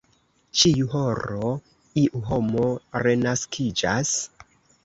ĉiu horo, iu homo renaskiĝas?